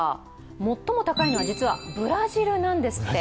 最も高いのは実はブラジルなんですって。